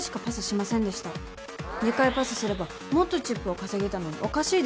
２回パスすればもっとチップを稼げたのにおかしいです。